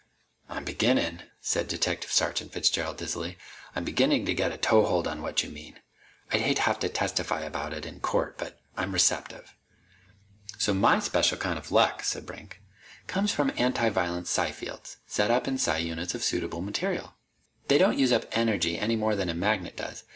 "I'm beginnin'," said Detective Sergeant Fitzgerald dizzily, "I'm beginnin' to get a toehold on what you mean. I'd hate to have to testify about it in court, but I'm receptive." "So my special kind of luck," said Brink, "comes from antiviolence psi fields, set up in psi units of suitable material. They don't use up energy any more than a magnet does.